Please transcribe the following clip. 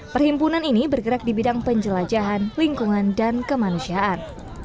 perhimpunan ini bergerak di bidang penjelajahan lingkungan dan kemanusiaan